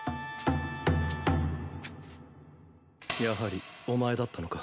やはりお前だったのか。